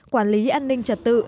quản lý an ninh trật tự